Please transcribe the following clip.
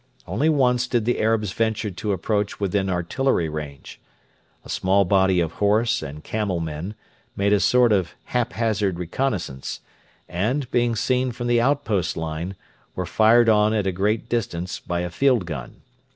Only once did the Arabs venture to approach within artillery range. A small body of horse and camel men made a sort of haphazard reconnaissance, and, being seen from the outpost line, were fired on at a great distance by a field gun.